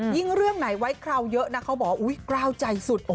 ยิ่งเรื่องไหนไว้คราวเยอะนะเขาบอกอุ๊ยคราวใจสุด